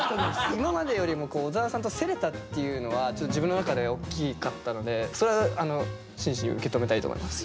今までよりも小沢さんと競れたっていうのはちょっと自分の中で大きかったのでそれは真摯に受け止めたいと思います。